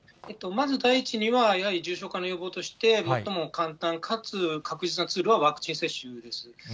まず、第一にはやはり重症化の予防として、最も簡単、かつ確実なツールはワクチン接種です。